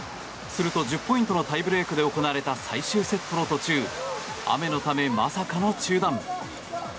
すると、１０ポイントのタイブレークで行われた最終セットの途中雨のため、まさかの中断。